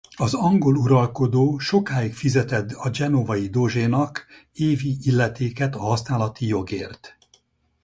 Az angol uralkodó sokáig fizetett a genovai dogenak évi illetéket a használati jogért.